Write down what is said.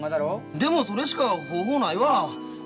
でもそれしか方法ないわ。